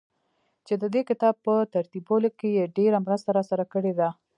چي ددې کتاب په ترتيبولو کې يې ډېره مرسته راسره کړې ده.